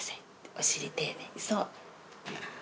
お尻丁寧にそう。